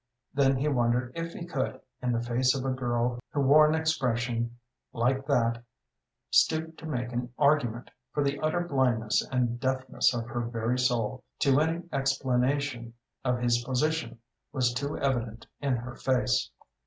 Then he wondered if he could, in the face of a girl who wore an expression like that, stoop to make an argument, for the utter blindness and deafness of her very soul to any explanation of his position was too evident in her face.